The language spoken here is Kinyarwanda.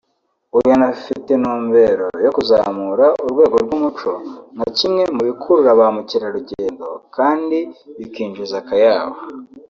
uyu anafite intumbero yo kuzamura urwego rw’umuco nka kimwe mu bikurura ba mukerarugendo kandi bikinjiza akayabo